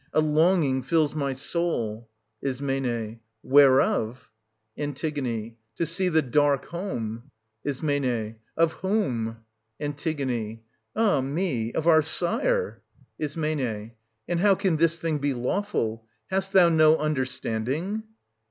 a longing fills my soul. Is. Whereof? An. To see the dark home — Is. Of whom ? An. Ah me ! of our sire. Is. And how can this thing be lawful ? Hast thou no understanding